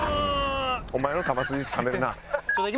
お前の球筋冷めるなあ。